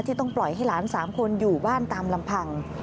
ต้องปล่อยให้หลาน๓คนอยู่บ้านตามลำพัง